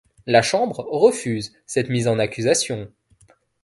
La Chambre refuse cette mise en accusation.